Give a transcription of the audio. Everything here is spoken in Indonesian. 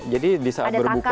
jadi disaat berbuka